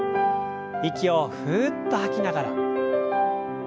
息をふっと吐きながら。